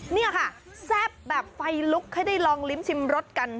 นี่ค่ะแซ่บแบบไฟลุกให้ได้ลองลิ้มชิมรสกัน